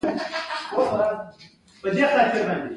د داودي ګل د څه لپاره وکاروم؟